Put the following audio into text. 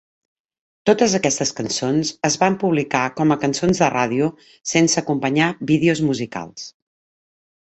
Totes aquestes cançons es van publicar com a cançons de ràdio sense acompanyar vídeos musicals.